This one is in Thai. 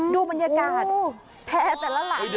ดูบรรยากาศแพร่แต่ละหลัง